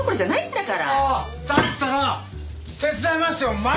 だったら手伝いますよ毎日！